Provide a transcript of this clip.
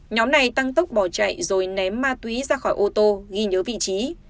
nhóm này tăng tốc bỏ chạy rồi ném ma túy ra khỏi ô tô ghi nhớ vị trí